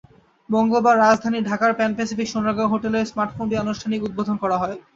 মঙ্গলবার রাজধানী ঢাকার প্যান প্যাসিফিক সোনারগাঁও হোটেলে স্মার্টফোনটির আনুষ্ঠানিক উদ্বোধন করা হয়।